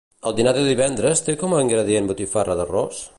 El dinar de divendres té com a ingredient botifarra d'arròs?